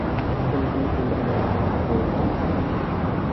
এলুরু এই জেলার একমাত্র পৌরসংস্থা।